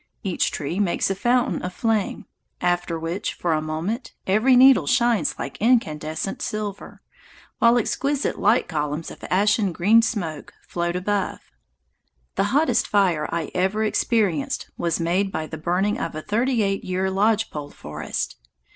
Each tree makes a fountain of flame, after which, for a moment, every needle shines like incandescent silver, while exquisite light columns of ashen green smoke float above. The hottest fire I ever experienced was made by the burning of a thirty eight year lodge pole forest.